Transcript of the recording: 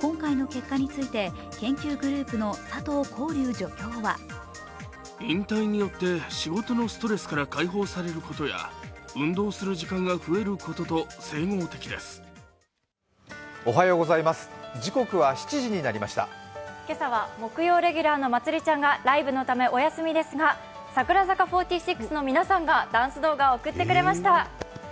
今回の結果について研究グループの佐藤豪竜助教は今朝は木曜レギュラーのまつりちゃんがライブのためお休みですが、櫻坂４６の皆さんがダンス動画を送ってくださいました。